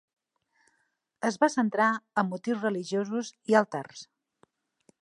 Es va centrar en motius religiosos i altars.